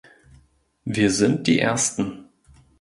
Wir sind die Ersten.